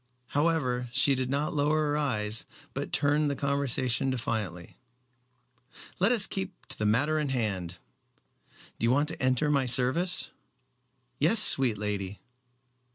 However, she did not lower her eyes but turned the conversation defiantly. "Let us keep to the matter in hand. Do you want to enter my service?" "Yes, sweet lady."